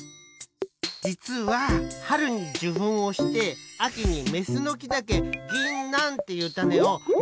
じつははるにじゅふんをしてあきにメスのきだけぎんなんっていうタネをみのらせるんす。